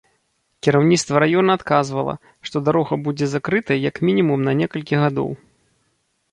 Кіраўніцтва раёна адказвала, што дарога будзе закрытая як мінімум на некалькі гадоў.